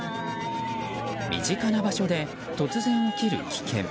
身近な場所で突然起きる危険。